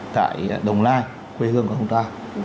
tại đồng lai quê hương của chúng ta